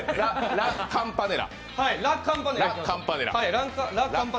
「ラ・カンパネラ」。